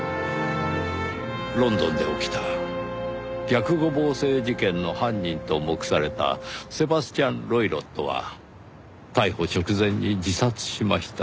ロンドンで起きた逆五芒星事件の犯人と目されたセバスチャン・ロイロットは逮捕直前に自殺しました。